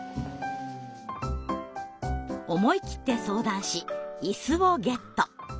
思い切って相談しイスをゲット。